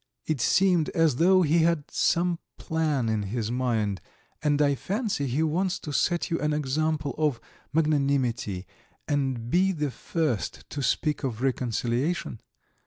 It seems as though he had some plan in his mind, and I fancy he wants to set you an example of magnanimity and be the first to speak of reconciliation.